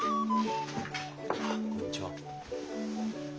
こんにちは。